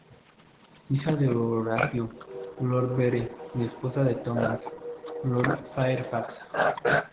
Hija de Horatio, Lord Vere y esposa de Thomas; Lord Fairfax.